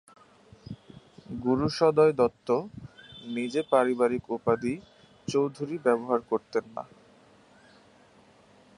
গুরুসদয় দত্ত নিজে পারিবারিক উপাধি "চৌধুরী" ব্যবহার করতেন না।